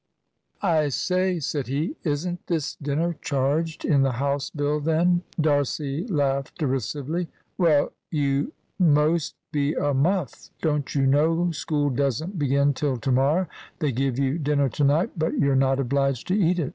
"I say," said he, "isn't this dinner charged in the house bill then?" D'Arcy laughed derisively. "Well, you most be a muff. Don't you know school doesn't begin till to morrow? They give you dinner to night, but you're not obliged to eat it."